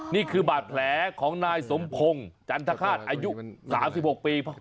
นี่คือบาดแผลของนายสมพงศ์จันทคาตอายุ๓๖ปี